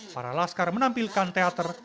para laskar menampilkan teater